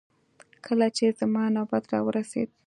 کله چې زما نوبت راورسېد.